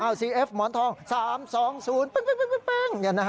อ่าวสีเอฟหมอนทอง๓๒๐แป้งแป้งแป้ง